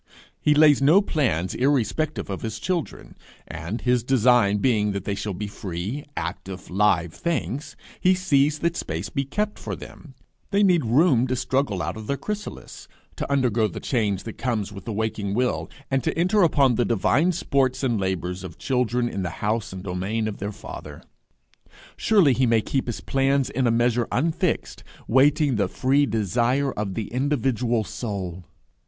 He lays no plans irrespective of his children; and, his design being that they shall be free, active, live things, he sees that space be kept for them: they need room to struggle out of their chrysalis, to undergo the change that comes with the waking will, and to enter upon the divine sports and labours of children in the house and domain of their Father. Surely he may keep his plans in a measure unfixed, waiting the free desire of the individual soul!